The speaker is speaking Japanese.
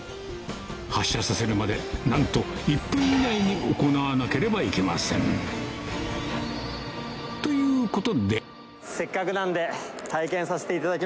発車させるまでなんと１分以内に行わなければいけませんということでせっかくなんで。